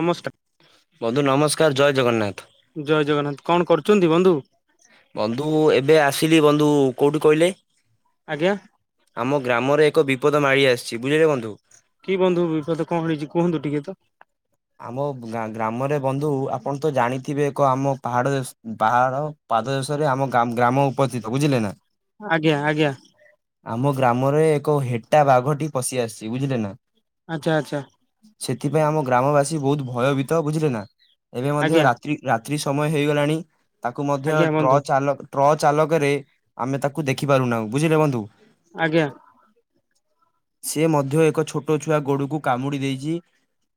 ନମସ୍କାର। ବନ୍ଧୁ ନମସ୍କାର ଜୟ ଜଗନ୍ନାଥ। ଜୟ ଜଗନ୍ନାଥ କଣ କରୁଛନ୍ତି ବନ୍ଧୁ। ବନ୍ଧୁ ଏବେ ଆସିଲି ବନ୍ଧୁ କେଉଠି କହିଲେ। ଆଜ୍ଞା। ଆମ ଗ୍ରାମରେ ଏକ ବିପଦ ମାଳି ଆସିଛି ବୁଝିଲେ ବନ୍ଧୁ। କି ବନ୍ଧୁ ବିପଦ କଣ ଆଣିଛି କୁହନ୍ତୁ ଟିକେ। ଆମ ଗ୍ରାମରେ ବନ୍ଧୁ ଆପଣ ତ ଜାଣିଥିବେ ଏକ ଆମ ପାହାଡ ପାହାଡ଼। ପାଦ ଦେଶରେ ଆମ ଗ୍ରାମ ଉପସ୍ଥିତ ବୁଝିଲେ ନା। ଆଜ୍ଞା ଆଜ୍ଞା। ଆମ ଗ୍ରାମରେ ଏକ ହେଟା ବାଘ ଟି ପଶି ଆସିଛି ବୁଝିଲେ ନା। ଆଚ୍ଛା ଆଚ୍ଛା। ସେଥିପାଇଁ ଆମ ଗ୍ରାମବାସୀ ବହୁତ ଭୟଭୀତ ବୁଝିଲେ ନା ଏବେ ମଧ୍ୟ ଆଜ୍ଞା ରାତ୍ରି ରାତ୍ରି ସମୟ ହେଇଗଲାଣି ତାକୁ ମଧ୍ୟ ଆଜ୍ଞା ବନ୍ଧୁ ଟ୍ରଚ୍ ଆଲ ଟ୍ରଚ୍ ଆଲକରେ ଆମେ ତାକୁ ଦେଖିପାରୁନାହୁଁ ବୁଝିଲେ ବୁନ୍ଧୁ। ଆଜ୍ଞା। ସେ ମଧ୍ୟ ଏକ ଛୋଟ ଛୁଆ ଗୋଡକୁ କାମୁଡି ଦେଇଛି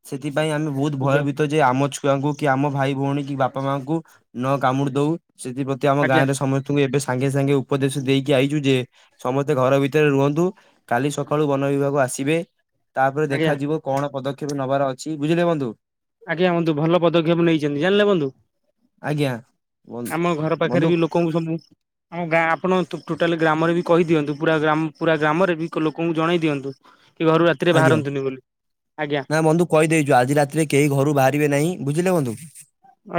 ସେଥିପାଇଁ ଆମେ ବହୁତ ଆଜ୍ଞା ଭୟଭୀତ ଯେ ଆମ ଛୁଆଙ୍କୁ କି ଆମ ଭାଇ ଭଉଣୀ କି ବାପା ମାଙ୍କୁ ନ କାମୁଡି ଦଉ ସେଥିପ ଆମ ଆଜ୍ଞା ଗାଁରେ ସମସ୍ତ ଏବେ ସାଙ୍ଗେ ସାଙ୍ଗେ ଉପଦେଶ ଦେଇକି ଆଇଛୁ ଯେ ସମସ୍ତେ ଘର ଭିତରେ ରୁହନ୍ତୁ। କାଲି ସକାଳୁ ବନ ବିଭାଗ ଆସିବେ ତାପରେ ଆଜ୍ଞା ଦେଖାଯିବ କଣ ପଦକ୍ଷେପ ନେବାର ଅ ବୁଝିଲେ ବନ୍ଧୁ। ଆଜ୍ଞା ହୁନ୍ତୁ ଭଲ ପଦକ୍ଷେପ ନେଇଛନ୍ତି ଜାଣିଲେ ହୁନ୍ତୁ ଆଜ୍ଞା। ବନ୍ଧୁ ଆମ ଘର ବନ୍ଧୁ ପାଖରେ ବି ଲୋକ [unintelligible] ହଁ ଗାଁ ଆପଣ ଟୋଟାଲି ଗ୍ରାମରେ ବି କହିଦିଅନ୍ତୁ ପୁରା ଗ୍ର ପୁରା ଗ୍ରାମରେ ବି ଲୋକଙ୍କୁ ଜଣେଇ ଦିଅନ୍ତୁ। କି ଘରୁ ରାତିରେ ଆଜ୍ଞା ବାହାରନ୍ତୁନି ବୋଲି ଆଜ୍ଞା। ନା ବନ୍ଧୁ କହିଦେଇଛୁ ଆଜି ରାତିରେ କେହି ଘରୁ ବାହାରିବେ ନାହିଁ ବୁଝିଲେ ବନ୍ଧୁ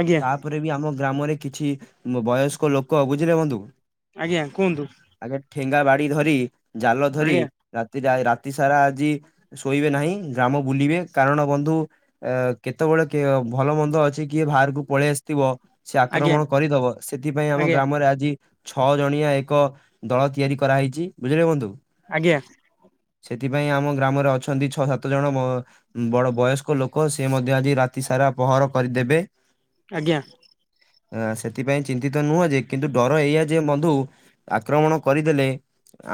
ଆଜ୍ଞା ତାପରେ ବି ଆମ ଗ୍ରାମରେ କିଛି ବୟସ୍କ ଲୋକ ବୁଝିଲେ ବନ୍ଧୁ। ଆଜ୍ଞା କୁହନ୍ତୁ। ଆଗେ ଠେଙ୍ଗା ବାଡି ଧରି ଜାଲ ଧରି ଆଜ୍ଞା ରାତିରେ ରାତିସାରା ଆଜି ଶୋଇବେ ନାହିଁ ଗ୍ରାମ ବୁଲିବେ କାରଣ ବନ୍ଧୁ। ଅ କେତେବେଳେ ଭଲ ମନ୍ଦ ଅଛି କିଏ ବାହାରକୁ ପଳେଇ ଆସି ଥିବ ସେ ଆଜ୍ଞା ଆକ୍ରମଣ କରିଦବ ସେଥିପାଇଁ ଆମ ଆଜ୍ଞା ଗ୍ରାମରେ ଆଜି ଛଅ ଜଣିଆ ଏକ ଦଳ ତିଆରି କରାହେଇଛି ବୁଝିଲେ ବନ୍ଧୁ। ଆଜ୍ଞା। ସେଥିପାଇଁ ଆମ ଗ୍ରାମରେ ଅଛନ୍ତି ଛଅ ସାତ ଜଣ ମ ବଡ ବୟସ୍କ ଲୋକ ସେ ମଧ୍ୟ ଆଜି ରାତି ସାରା ପହର କରିଦେବେ। ଆଜ୍ଞା। ସେଥିପାଇଁ ଚିନ୍ତିତ ନୁହଁ ଯେ କିନ୍ତୁ ଡର ଏଇଆ ଯେ ବନ୍ଧୁ। ଆକ୍ରମଣ କରିଦେଲେ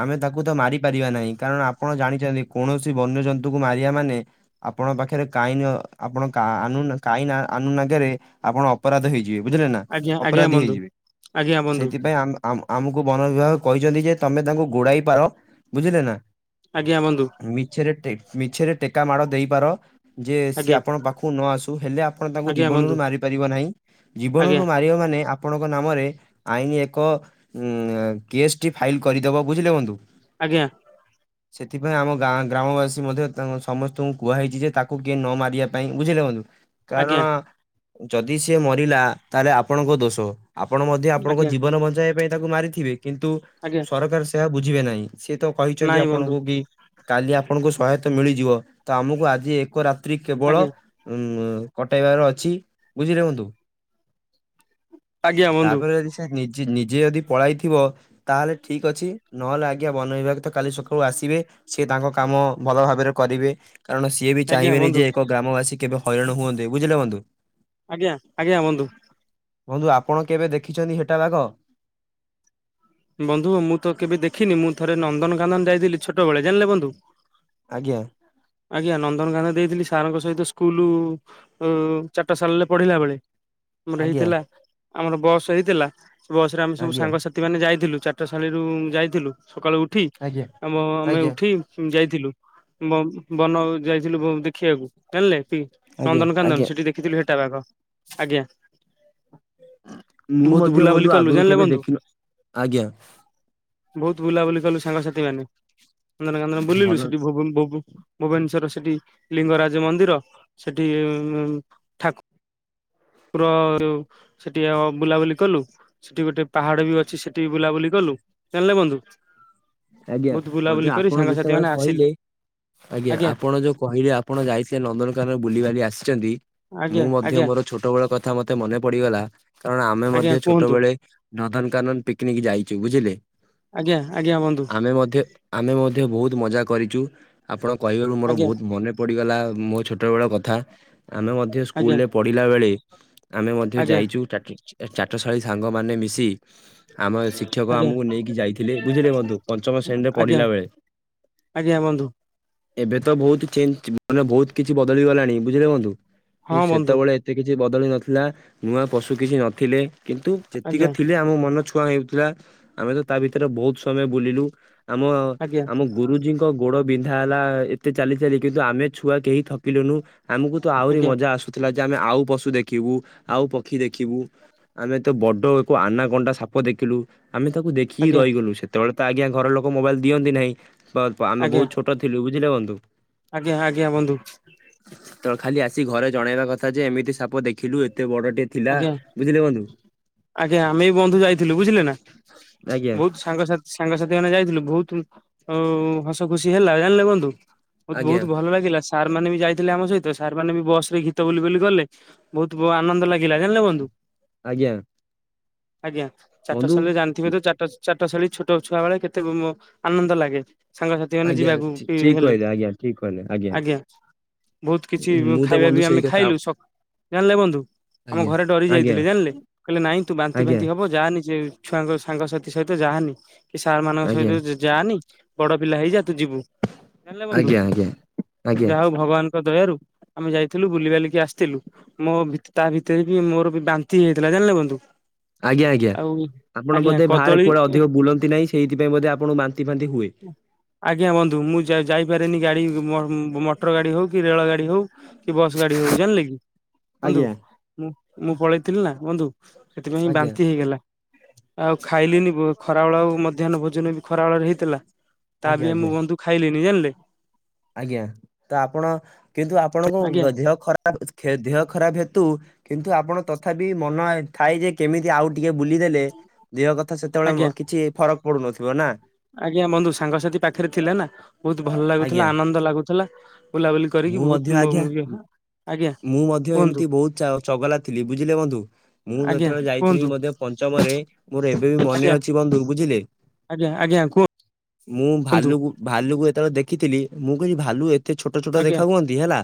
ଆମେ ତାକୁ ତ ମାରି ପାରିବା ନାହିଁ କାରଣ ଆପଣ ଜାଣିଛନ୍ତି। କୌଣସି ବନ୍ୟଜନ୍ତୁ କୁ ମାରିବା ମାନେ ଆପଣଙ୍କ ପାଖରେ କାଇନ ଆପଣ କାନୁନ କାଇନ କାନୁନ ଆଗରେ ଆପଣ ଅପରାଧ ହେଇଯିବେ। ବୁଝିଲେ ନା ଆଜ୍ଞା ଆଜ୍ଞା ଅପରାଧୀ ବନ୍ଧୁ ହେଇଯିବେ ଆଜ୍ଞା ବନ୍ଧୁ ସେଥିପାଇଁ ଆମ ଆମ ଆମକୁ ବନ ବିଭାଗ କହିଛନ୍ତି ଯେ ତମେ ତାଙ୍କୁ ଗୋଡାଇ ପାର ବୁଝିଲେ ନା। ଆଜ୍ଞା ବନ୍ଧୁ। ମିଛରେ ମିଛରେ ଟେକା ମାଡ଼ ଦେଇପାର। ଯେ ସେ ଆଜ୍ଞା ଆପଣ ପାଖକୁ ନ ଆସୁ ହେଲେ ଆପଣ ତାଙ୍କୁ ଆଜ୍ଞା ବନ୍ଧୁ ଜୀବନରୁ ମାରି ପାରିବ ନାହିଁ। ଆଜ୍ଞା ଜୀବନରୁ ମାରିବା ମାନେ ଆପ ଆପଣଙ୍କ ନାମରେ ଆଇନ ଏକ ଉ କେସ୍ ଟି ଫାଇଲ କରିଦେବ ବୁଝିଲେ ବନ୍ଧୁ। ଆଜ୍ଞା। ସେଥିପାଇଁ ଆମ ଗାଁ ଗ୍ରାମବାସୀ ମଧ୍ୟ ସମସ୍ତଙ୍କୁ କୁହାହେଇଛି ଯେ ତାକୁ କିଏ ନ ମାରିବା ପାଇଁ ବୁଝିଲେ ବନ୍ଧୁ। ଆଜ୍ଞା କାରଣ ଯଦି ସିଏ ମରିଲା ତାହେଲେ ଆପଣଙ୍କ ଦୋଷ। ଆପଣ ମଧ୍ୟ ଆପଣଙ୍କ ଆଜ୍ଞା ଜୀବନ ବଞ୍ଚାଇବା ପାଇଁ ତାକୁ ମାରିଥିବେ କିନ୍ତୁ ଆଜ୍ଞା ସରକାର ସେ ବୁଝିବେ ନାହିଁ ସିଏ ତ କହିଛନ୍ତି ନାଇଁ ବନ୍ଧୁ ଆପଣଙ୍କୁ କି କାଲି ଆପଣଙ୍କୁ ସହାୟତା ମିଳିଯିବ ତ ଆମକୁ ଆଜି ଏକ ରାତ୍ରି କେବଳ ଆଜ୍ଞା ଉଁ କଟାଇବାର ଅଛି ବୁଝିଲେ ବନ୍ଧୁ। ଆଜ୍ଞା ବନ୍ଧୁ ତାପରେ ଯଦି ସେ ନି ନିଜେ ନିଜେ ଯଦି ପଳାଇଥିବ ତାହେଲେ ଠିକ ଅଛି ନହେଲେ ଆଜ୍ଞା ବନ ବିଭାଗ ତ କାଲି ସକାଳୁ ଆସିବେ। ସିଏ ତାଙ୍କ କାମ ଭଲ ଭାବରେ କରିବେ କାରଣ ସିଏ ବି ଆଜ୍ଞା ଚାହିଁବେନି ବନ୍ଧୁ ଯେ ଏକ ଗ୍ରାମବାସୀ କେବେ ହଇରାଣ ହୁଅନ୍ତେ ବୁଝିଲେ ବନ୍ଧୁ। ଆଜ୍ଞା ଆଜ୍ଞା ବନ୍ଧୁ। ବନ୍ଧୁ ଆପଣ କେବେ ଦେଖିଛନ୍ତି ହେଟା ବାଘ। ବନ୍ଧୁ ମୁଁ ତ କେବେ ଦେଖିନି ମୁଁ ଥରେ ନନ୍ଦନକାନନ୍ଦନ ଯାଇଥିଲି ଛୋଟବେଳେ ଜାଣିଲେ ବନ୍ଧୁ। ଆଜ୍ଞା। ଆଜ୍ଞା ନନ୍ଦନକାନ ଦେଇଥିଲି ସାରଙ୍କ ସହିତ ସ୍କୁଲ ଚାଟଶାଳୀରେ ପଢିଲା ବେଳେ। ଆମର ଆଜ୍ଞା ହେଇଥିଲା ଆମର ବସ ହେଇଥିଲା ବସରେ ଆମେ ସବୁ ଆଜ୍ଞା ସାଙ୍ଗସାଥି ମାନେ ଯାଇ ଥିଲୁ ଚାଟଶାଳୀରୁୁ ଯାଇଥିଲୁ ସକାଳୁ ଉଠି ଆଜ୍ଞା ଆମ ଆମେ ଆଜ୍ଞା ଉଠି ଯାଇଥିଲୁ। ବ ବନ ଯାଇଥିଲୁ ଦେଖିବାକୁ ଜାଣିଲେ କି ଆଜ୍ଞା ନନ୍ଦନକାନ୍ଦନ ଆଜ୍ଞା ସେଠି ଦେଖିଥିଲି ହେଟାବାଘ ଆଜ୍ଞା। ମୁଁ ବହୁତ ମଧ୍ୟ ବୁଲାବୁଲି ବନ୍ଧୁ କଲୁ ଆଗରୁ ଜାଣିଲେ କେବେ ବନ୍ଧୁ ଦେଖିନଥିଲି ଆଜ୍ଞା। ବହୁତ ବୁଲାବୁଲି କଲୁ ସାଙ୍ଗସାଥି ମାନେ ନନ୍ଦନ କାନନ ବୁଲିଲୁ ଭଲ ସେଠି ଭବୁ ଭବୁ ଭୁବନେସ୍ୱର ସେଠି ଲିଙ୍ଗରାଜ ମନ୍ଦିର ସେଠି ପୁର ଯୋଉ ସେଠି ବୁଲାବୁଲି କଲୁ। ସେଠି ଗୋଟେ ପାହାଡ ବି ଅଛି ସେଠି ବି ବୁଲାବୁଲି କଲୁ ଜାଣିଲେ ବନ୍ଧୁ। ଆଜ୍ଞା ବହୁତ ବୁଲାବୁଲି ମଧ୍ୟ କରି ଆପଣ ସାଙ୍ଗସାଥି ଯେତେବେଳେ ମାନେ ଆସିଲୁ କହିଲେ। ଆଜ୍ଞା ଆପଣ ଯୋଉ କହିଲେ ଆପଣ ଯାଇଥିଲେ ନନ୍ଦନକାନନ ବୁଲି ବୁଲି ଆସିଛନ୍ତି। ଆଜ୍ଞା ମୁଁ ମଧ୍ୟ ଆଜ୍ଞା ମୋର ଛୋଟବେେଳ କଥା ମତେ ମନେ ପଡିଗଲା କାରଣ ଆମେ ଆଜ୍ଞା ମଧ୍ୟ କୁହନ୍ତୁ। ଛୋଟବେଳେ ନଦନକାନନ ପିକନିକ ଯାଇଛୁ ବୁଝିଲେ? ଆଜ୍ଞା ଆଜ୍ଞା ବନ୍ଧୁ। ଆମେ ମଧ୍ୟ ଆମେ ମଧ୍ୟ ବହୁତ ମଜା କରିଛୁ। ଆପଣ କହିବାରୁ ମୋର ଆଜ୍ଞା ବହୁତ ମନେ ପଡିଗଲା ମୋ ଛୋଟବେେଳ କଥା। ଆମେ ମଧ୍ୟ ଆଜ୍ଞା ସ୍କୁଲରେ ପଢିଲା ବେଳେ ଆମେ ମଧ୍ୟ ଆଜ୍ଞା ଯାଇଛୁ। ଚାଟଶାଳୀ ସାଙ୍ଗମାନୋନେ ମିଶି ଆମ ଶିକ୍ଷକ ଆଜ୍ଞା ଆମକୁ ନେଇକି ଯାଇଥିଲେ। ବୁଝିଲେ? ମଧ୍ୟ ପଞ୍ଚମ ଶ୍ରେଣୀରେ ଆଜ୍ଞା ପଢିଲା ବେଳେ। ଆଜ୍ଞା ବନ୍ଧୁ। ଏବେ ତ ବହୁତ ଚେଞ୍ଜ, ମାନେ ବହୁତ କିଛି ବଦଳିଗଲାଣି ବୁଝିଲେ ବନ୍ଧୁ, ହଁ କିନ୍ତୁ ବନ୍ଧୁ ସେତେବେଳେ ଏତେ କିଛି ବଦଳି ନଥିଲା, ନୂଆ ପଶୁ କିଛି ନଥିଲେ, କିନ୍ତୁ ଯେତିକି ଆଜ୍ଞା ଥିଲେ ଆମ ମନ ଛୁ ଛୁଇଁ ଯାଉଥିଲା, ଆମେ ତ ତା ଭିତରେ ବହୁତ ସମୟ ବୁଲିଲୁ ଆମ ଆଜ୍ଞା ଆମ ଗୁରୁଜୀ ଙ୍କ ଗୋଡ ବିନ୍ଧା ହେଲା ଏତେ ଚାଲି ଚାଲି କିନ୍ତୁ ଆମେ ଛୁଆ କେହି ଥକିଲୁନୁ। ଆମକୁ ତ ଆହୁରି ଆଜ୍ଞା ମଜା ଆସୁଥିଲା ଯେ ଆମେ ଆଉ ପଶୁ ଦେଖିବୁ ଆଉ ପକ୍ଷୀ ଦେଖିବୁ। ଆମେ ତ ବଡ ଏକ ଆନାକଣ୍ଡା ସାପ ଦେଖିଲୁ, ଆମେ ତାକୁ ଦେଖ କି ଆଜ୍ଞା ରହିଗଲୁ ସେତେବେଳେ ତ ଆଜ୍ଞା ଘର ଲୋକ ମୋବାଇଲ୍ ଦିଅନ୍ତି ନାହିଁ, ଆମେ ଆଜ୍ଞା ବହୁତ ଛୋଟ ଥିଲୁ, ବୁଝିଲେୁ ବନ୍ଧୁ? ଆଜ୍ଞା ଆଜ୍ଞା ବନ୍ଧୁ। ତ ଖାଲି ଆସି ଘରେ ଜଣେଇବା କଥା ଯେ ଏମିତି ସାପ ଦେଖିଲୁ ଏତେ ବଡଟେ ନା ଆଜ୍ଞା। ବୁଝିଲେ ବନ୍ଧୁ? ଆଜ୍ଞା ଆମେ ବି ବନ୍ଧୁ ଯାଇଥିଲୁ ବୁଝିଲେ ନା, ଆଜ୍ଞା। ବହୁତ ସାଙ୍ଗସାଥି ସାଙ୍ଗସାଥି ମାନେ ଯାଇଥିଲୁ, ବହୁତ ହସ ଖୁସି ହେଲା ଜାଣିଲେ ବନ୍ଧୁ। ବହୁତ ଆଜ୍ଞା। ବହୁତ ଭଲ ଲାଗିଲା ସା ସାର୍ ମାନେ ବି ଯାଇଥିଲେ ଆମ ସହିତ, ସାର୍ ମାନେ ବି ବସ ରେ ଗୀତ ବୋଲି ବୋଲି ଗଲେ ବହୁତ ବ ଆନନ୍ଦ ଲାଗ ଲା, ଜାଣିଲେ ବନ୍ଧୁ? ଆଜ୍ଞା। ଆଜ୍ଞା ବନ୍ଧୁ ଚାଟଶାଳୀ ରେ ଜା ଅଧିକ ତ ଚାଟ-ଚାଟଶାଳୀ ଛୋଟ ଛୁଆ ବେଳେ କେତେ ବ-ବ ଆନନ୍ଦ ଲାଗେ। ସାଙ୍ଗସାଥି ମାନେ ଆଜ୍ଞା। ଯିବାକୁ ଠିକ ହେଲେ, କହିଲେ ଆଜ୍ଞା ଠିକ କହିଲେ ଆଜ୍ଞା। ବହୁତ କିଛି ମୁଁ ତ ଖାଇବା ବନ୍ଧୁ ବି ସେଇ ଆମେ କଥା ଖାଇଲୁ, ସକ୍ ଜାଣିଲେ ବନ୍ଧୁ? ଆମ ଆଜ୍ଞା। ଘରେ ଡରି ଆଜ୍ଞା ଯାଇଥିଲେ ଜାଣିଲେ, କହିଲେ ନାଇଁ ତୁ ବାନ୍ତି, ଆଜ୍ଞା ଫାନ୍ତି ହବ ଯାଆନି ସେ ଛୁଆଙ୍କ ସାଙ୍ଗସାଥି ସହିତ ଯାଆନି କି ସାର୍ ମାନଙ୍କ ଆଜ୍ଞା ସହିତ ଯାନି ବଡ ପିଲା ହେଇଯା ତୁ ଯିବୁ ଜାଣିଲେ ବନ୍ଧୁ, ଆଜ୍ଞା ଆଜ୍ଞା ଆଜ୍ଞା ଯାହା ହଉ ଭଗବାନ ଦୟାରୁ ଆମେ ଯାଇଥିଲୁ ବୁଲିିବାଲିକି ଆସିଥିଲୁ ମୋ ଭି ତା ଭିତରେ ବି ମୋର ବି ବାନ୍ତି ହେଇ ଯାଇଥିଲା, ଜାଣିଲେ ବନ୍ଧୁ? ଆଜ୍ଞା ଆଜ୍ଞା ଆଉ ଆପଣ ଆଜ୍ଞା ବୋଧେ ବାହାରେ କଦଳୀ କୁଆଡେ ଅଧିକ ବୁଲନ୍ତି ନାହିଁ ସେଇଥିପାଇଁ ଆପଣଙ୍କୁ ବାନ୍ତି ଫାନ୍ତି ହୁଏ। ଆଜ୍ଞା ବନ୍ଧୁ ମୁଁ ଯାଇ-ଯାଇପାରେନି ଗାଡ଼ି ମ-ମଟର ଗାଡ଼ି ହେଉ କି ରେଳ ଗାଡ଼ି ହେଉ କି ବସ୍ ଗାଡି ହଉ ଜାଣିଲେ କି ବନ୍ଧୁ, ଆଜ୍ଞା ମୁଁ ମୁଁ ପଳେଇଥିଲି ନା ବନ୍ଧୁ। ସେଥିପାଇଁ ଆଜ୍ଞା ବାନ୍ତି ହେଇଗଲା, ଆଉ ଖାଇଲିନି ଖରାବେଳେ ଆଉ ମ ମଧ୍ୟାନ୍ନ ଭୋଜନ ବି ଖରା ବେଳରେ ହେଇଥିଲା, ତା ଆଜ୍ଞା ବି ଆ ଆଜ୍ଞା। ମୁଁ ବନ୍ଧୁ ଖାଇଲିନି ଜାଣିଲେ? ଆଜ୍ଞା, ତ ଆପଣ କିନ୍ତୁ ଆଜ୍ଞା ଆପଣଙ୍କ ଦେହ ଖରାପ ଦେହ ଖରାପ ହେତୁ କିନ୍ତୁ ଆପଣ ତଥାପି ମନ ଥାଏ ଯେ କେମିତି ଆଉ ଟିକେ ବୁଲିଦେଲେ ଦେହ କଥା ଆଜ୍ଞା ସେତେବେଳେ କିଛି ଫରକ ପଡୁନଥିବ ନା? ଆଜ୍ଞା, ବନ୍ଧୁ ସାଙ୍ଗସାଥି ପାଖରେ ଥିଲା ନା। ବହୁତ ଭଲ ଲାଗୁଥିଲା ଆଜ୍ଞା ଆନନ୍ଦ ଲାଗୁଥିଲା, ବୁଲାବୁଲି ମୁଁ କରିକି ମଧ୍ୟ ବହୁତ ଆଜ୍ଞା ମ-ମ ଇଏ ମୁଁ ମଧ୍ୟ ଏମିତି ବହୁତ ଚ-ଚଗଲା ଥିଲି ବୁଝିଲେ ବନ୍ଧୁ? ମୁଁ ଆଜ୍ଞା ଯେତେବେଳେ ଯାଇଥିଲି କୁହନ୍ତୁ ମଧ୍ୟ ପଞ୍ଚମରେ ମୋର ଏବେ ବି ମନେ ଆଜ୍ଞା ଅଛି ବନ୍ଧୁ ବୁଝିଲେ? ଆଜ୍ଞା ଆଜ୍ଞା କୁହ ମୁଁ ଭାଲୁକୁ ଭାଲୁକୁ ଯେତେବେଳେ ଦେଖିଥିଲି, ମୁଁ କହିଲି ଭାଲୁ ଏ ଏ ଛୋଟ ଛୋଟ ଆଜ୍ଞା ଦେଖା ହୁଅନ୍ତି ହେଲା,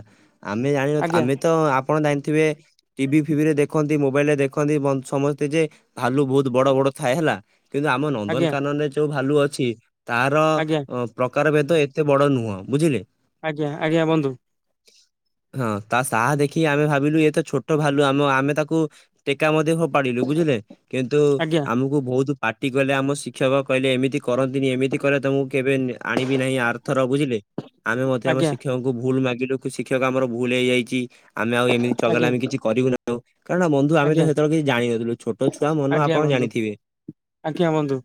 ଆମେ ଜାଣିନ ଆଜ୍ଞା ଆମେ ତ ଆପଣ ଜାଣିଥିବେ ଟିଭି ଫିଭିରେ ଦେଖନ୍ତି ମୋବାଇଲ୍‌ ରେ ଦେଖନ୍ତି ସମସ୍ତେ ଯେ ଭାଲୁ ବହୁତ ବଡ଼ବଡ଼ ଥାଏ ହେଲା। କିନ୍ତୁ ଆମ ଆଜ୍ଞା ନନ୍ଦନକାନରେ ଯୋଉ ଭାଲୁ ଅଛି, ତାର ଆଜ୍ଞା ପ୍ରକାର ଭେଦ ଏତେ ବଡ଼ ନୁହଁ ବୁଝିଲେ। ଆଜ୍ଞା, ଆଜ୍ଞା ବନ୍ଧୁ। ହଁ ତା ସାହା ଦେଖି କି ଆମେ ଭାବିଲୁ ଇଏ ତ ଛୋଟ ଭାଲୁ ଆମ ଆମେ ତାକୁ ଟେକା ମଧ୍ୟ ଫୋପାଡ଼ିଲୁ ବୁଝିଲେ, କିନ୍ତୁ ଆଜ୍ଞା ଆମକୁ ବହୁତ ପାଟି କଲେ ଆମ ଶିକ୍ଷକ କହିଲେ ଏମିତି କରନ୍ତି ନି ଏମିତି କଲେ ତମକୁ କେବେ ଆଣିବି ନାହିଁ ଆର ଥର, ବୁଝିଲେ? ଆମେ ମଧ୍ୟ ଆମ ଆଜ୍ଞା ଶିକ୍ଷକଙ୍କୁ ଭୁଲ ମାଗିଲୁ ଶିକ୍ଷକ ଆମର ଭୁଲ ହେଇଯାଇଛି, ଆମେ ଆଉ ଏମିତି ଆଜ୍ଞା ଚଗଲାମି କିଛି କରିବୁନି ଆଉ। କାରଣ ବନ୍ଧୁ ଆମେ ଆଜ୍ଞା ତ ସେତେବେଳେ କିଛି ଜାଣିିନଥିଲୁ ଛୋଟ ଛୁଆ ମନ ଆଜ୍ଞା ଆପଣ ବନ୍ଧୁ ଜାଣିଥିବେ। ଆଜ୍ଞା ବନ୍ଧୁ।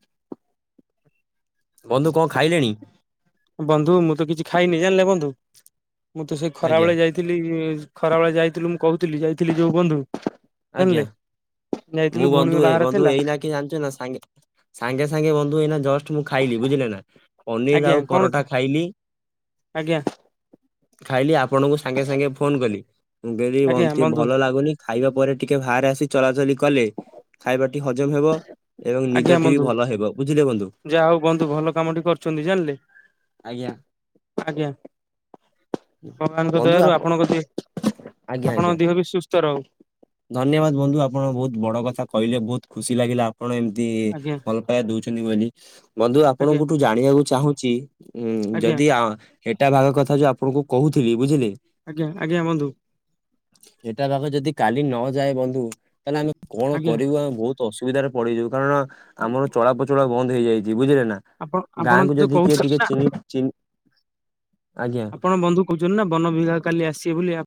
ବନ୍ଧୁ କଣ ଖାଇଲେଣି! ବନ୍ଧୁ ମୁଁ ତ କିଛି ଖାଇନି ଜାଣିଲେ ବନ୍ଧୁ ମୁଁ ତ ସେ ଖରା ଆଜ୍ଞା ବେଳେ ଯାଇ ଥିଲି ଖରାବେଳେ ଯାଇଥିଲୁ ମୁଁ କହୁଥିଲି ଯାଇଥିଲି ଯୋଉ ବନ୍ଧୁ। ଆଜ୍ଞା ଜାଣିଲେ ଯାଇଥିଲୁ ଭଉଣୀ ବାହାଘର ଥିଲା। କିଏ ଜାଣିଛୁ ନା ସାଙ୍ଗେ ସାଙ୍ଗେ ସାଙ୍ଗେ ବନ୍ଧୁ ଏଇନା ଜଷ୍ଟ ମୁଁ ଖାଇଲି ବୁଝିଲେ ନା ପନିର ଆଜ୍ଞା ଆଉ କଣ ପରଟା ଖାଇଲି। ଆଜ୍ଞା। ଖାଇଲି ଆପଣଙ୍କୁ ସାଙ୍ଗେ ସାଙ୍ଗେ ଫୋନ୍‌ କଲି। ମୁ କହିଲି ଆଜ୍ଞା ବନ୍ଧ ବନ୍ଧୁ ଭଲ ଲାଗୁନି। ଖାଇବା ପରେ ଟିକେ ବାହାରେ ଆସି ଚ଼ଲା ଚ଼ଲି କଲେ ଖାଇବା ଟିକେ ହଜମ ହବ। ଏବଂ ଆଜ୍ଞା ନିଦଟି ବି ବନ୍ଧୁ ଭଲ ହେବ ବୁଝିଲେ ବନ୍ଧୁ। ଯାହା ହଉ ବନ୍ଧୁ ଭଲ କାମଟି କରୁଛନ୍ତି ଜାଣିଲେ ଆଜ୍ଞା। ଆଜ୍ଞା। ଭଗବାନ୍‌ଙ୍କ ବନ୍ଧୁ ଦୟାରୁ ଆପ ଆପଣଙ୍କ ଦେହ ଆପଣଙ୍କ ଦେହ ବି ସୁସ୍ଥ ରହୁ। ଧନ୍ୟବାଦ୍‌ ବନ୍ଧୁ ଆପଣ ବହୁତ ବଡ଼ କଥା କହିଲେ ବହୁତ ଖୁସି ଲାଗିଲା କଣ ଏମିତି ଆଜ୍ଞା ଭଲ ପାଇବା ଦୋଉଛନ୍ତି ବୋଲି। ବନ୍ଧୁ ଆଜ୍ଞା ଆପଣଙ୍କଠୁ ଜାଣିବାକୁ ଚାହୁଁଛି ଉଁ ଆଜ୍ଞା ଯଦି ଆ ହେଟା ବାଘ କଥା ଯୋଉ ଆପଣଙ୍କୁ କହୁଥିଲି ବୁଝିଲେ। ଆଜ୍ଞା, ଆଜ୍ଞା ବନ୍ଧୁ। ହେଟା ବାଘ ଯଦି କାଲି ନ ଯାଏ ବନ୍ଧୁ ତାହେଲେ ଆମେ କଣ ଆଜ୍ଞା କରିବୁ ଆମେ ବହୁତ ଅସୁବିଧାରେ ପଡ଼ିଯିବୁ କାରଣ ଆମର ଚଳାପଚଳ ବନ୍ଦ ହେଇଯାଇଛି ବୁଝିଲେ ନା। ଆପଣ ଆପଣ ଗାଁ କୁ ଯୋଉ ଯଦି କିଏ କହୁଛନ୍ତି ଟିକେ ନା ଚିହ୍ନି ଚିହ୍ନି ଆଜ୍ଞା। ପଣ ବନ୍ଧୁ କହୁଛନ୍ତି ନା ବନ ବିଭାଗ କାଲି ଆସିବେ ବୋଲି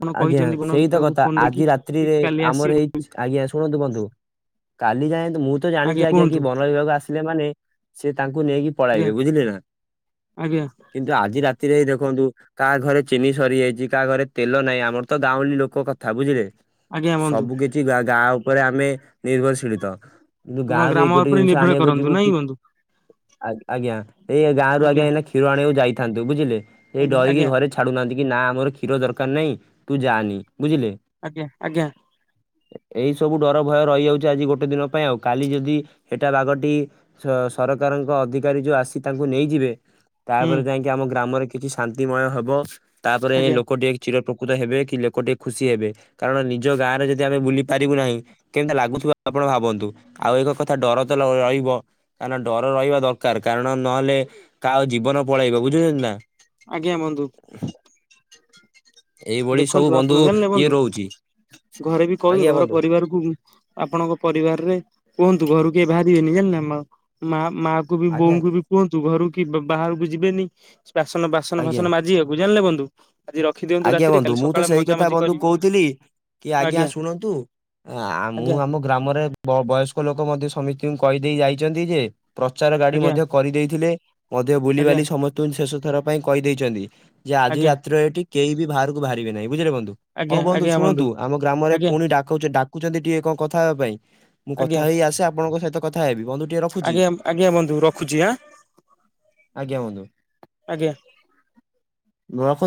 ଆପଣ ଆଜ୍ଞା କହିଛନ୍ତି ବନ ସେଇତ ବିଭାଗକୁ କଥା ଫୋନ ଆଜି ରାତ୍ରୀ କରିକି ରେ କାଲି ଆମର ଆସିବେ ହେଇଚି ଆଜ୍ଞା ଶୁଣନ୍ତୁ ବନ୍ଧୁ। କାଲି ଯାଏଁ ମୁଁ ତ ଜଣିଛି ଆଜ୍ଞା କି ବନବିଭାଗ ଆସି ଥିଲେ ମାନେ ସେ ତାଙ୍କୁ ନେଇକି ଆଜ୍ଞା ପଳେଇବେ ବୁଝିଲେ ନା। ଆଜ୍ଞା କିନ୍ତୁ ଆଜି ରାତିରେ ଦେଖନ୍ତୁ କାହା ଘରେ ଚିନି ସରିଯାଇଛି କାହା ଘରେ ତେଲ ନାହିଁ ଆମର ତ ଗାଉଁଳି ଲୋକ କଥା ବୁଝିଲେ ଆଜ୍ଞା ବନ୍ଧୁ ସବୁ କିଛି କିବା ଗାଁ ଉପରେ ଆମେ ନିର୍ଭରଶୀଳିତ। କିନ୍ତୁ ଆପଣ ଗାଁ ରୁ ଏଇ ଗ୍ରାମ ଗୋଟେ ଉପରେ ଜିନିଷ ନିର୍ଭର ଆଣିବାକୁ କରନ୍ତୁ ଯିବୁ ନାଇଁ କି ବନ୍ଧୁ ଆଜ୍ଞା ଆଜ୍ଞା ଏଇ ଗାଁରୁ ଆଜ୍ଞା ଏନା ଖେ କ୍ଷୀର ଆଣିବାକୁ ଯାଇଥାନ୍ତୁ ବୁଝିଲେ କିଏ ଆଜ୍ଞା ଡ଼ରିି କି ଆଜ୍ଞା ଘରେ ଛାଡୁହାନ୍ତି କି ନା ଆମର କ୍ଷୀରଦାର କାର ନାହିଁ ତୁ ବୁଝିଲେ। ଆଜ୍ଞା, ଆଜ୍ଞା। ଏଇ ସବୁ ଡ଼ର ଭୟ ରହିଯାଉଛି ଆଜି ଗୋଟେ ଦିନ ପାଇଁ ଆଉ କାଲି ଯଦି ହେଟା ବାଘଟି ସ ସରକାରଙ୍କ ଅଧିକାରୀ ଯୋଉ ଆସି ତାଙ୍କୁ ନେଇଯିବେ ହୁଁ ତାପରେ ଯାଇକି ଆମ ଗ୍ରାମରେ କିଛି ଶାନ୍ତିମୟ ହବ ତାପରେ ଆଜ୍ଞା ଲୋକଟେ ଚିର ଉପକୃତ ହେବେ କି ଲୋକଟିକେ ଖୁସି ହେବେ। କାରଣ ନିଜ ଗାଁରେ ଯଦି ଆମେ ବୁଲି ପାରିବୁ ନାହିଁ କେମିତି ଲାଗୁଥିବ ଆପଣ ଭାବନ୍ତୁ ଆଉ ଏକ କଥା ଡ଼ର ତ ରହିବ। କାରଣ ଡ଼ର ରହିବା ଦରକାର କାରଣ ନହେଲେ କାହା ଜୀବନ ପଳେଇବ ବୁଝିଛନ୍ତି ନା। ଆଜ୍ଞା ବନ୍ଧୁ। [unintelligible] ଏଇଭଳି ସବୁ ଦେଖନ୍ତୁ ଆପଣ ବନ୍ଧୁ ଜାଣିଲେ ଇଏ ବନ୍ଧୁ ରହୁଛି ଘରେ ବି କହି ଆଜ୍ଞା ଘର ବନ୍ଧୁ ପରିବାରକୁ ଆପଣଙ୍କ ପରିବାରରେ କୁହନ୍ତୁ ଘରୁ କିଏ ବାହାରିବେନି ଜାଣିଲ ଆମ ମା ମା କୁବି ଆଜ୍ଞା ବୋଉଙ୍କୁ ବି କୁହନ୍ତୁ ଘରୁ କି ବାହାରକୁ ଯିବେନି। ବାସନ ବାସନ ଆଜ୍ଞା। ଫାସନ ମାଜିିବାକୁ ଜାଣିଲେ ବନ୍ଧୁ ଆଜି ରଖିଦିଅନ୍ତୁ ରା ତୁ ମୁଁ ତ ସେଇ କଥା ବନ୍ଧୁ କହୁଥିଲି କି ଆଜ୍ଞା ଶୁଣନ୍ତୁ ଆ ମୁଁ ଆଜ୍ଞା ଆମ ଗ୍ରାମରେ ବୟସ୍କ ଲୋକ ମଧ୍ୟ ସମିସ୍ତୀଙ୍କୁ କହିଦେଇ ଯାଇଛନ୍ତି ଯେ ପ୍ରଚାର ଗାଡି ଆଜ୍ଞା ମଧ୍ୟ କରିଦେଇଥିଲେ ମଧ୍ୟ ଆଜ୍ଞା ବୁଲିବାଲି ସମସ୍ତଙ୍କୁ ଶେଷ ଥର ପାଇଁ କହିଦେଇଛନ୍ତି ଯେ ଆଜି ଆଜ୍ଞା ରାତିରେ ଏଠି କେହି ବି ବାହାରକୁ ବାହାରିବେନାହିଁ ବୁଝିଲେ ବନ୍ଧୁ ଆଜ୍ଞା ହଉ ବନ୍ଧୁ ଆଜ୍ଞା ଶୁଣନ୍ତୁ ଆମ ଗ୍ରାମରେ ଆଜ୍ଞା ପୁଣି ଡାକଉଚେ ଡାକ ଛନ୍ତି ଟିକେ କଣ କଥା ହେବା ପାଇଁ ମୁଁ କଥା ଆଜ୍ଞା ହେଇ ଆସେ ଆପଣଙ୍କ ସହିତ କଥା ହେବି ବନ୍ଧୁ ଟିକେ ରଖୁଛି ଆଜ୍ଞା ଆଜ୍ଞା ବନ୍ଧୁ ରଖୁଛି ଆଁ ଆଜ୍ଞା ବନ୍ଧୁ ଆଜ୍ଞା। [unintelligible]